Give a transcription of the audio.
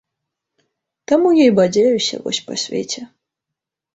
Таму я і бадзяюся вось па свеце.